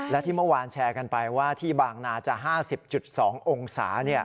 และที่เมื่อวานแชร์กันไปว่าที่บางนาจะ๕๐๒องศา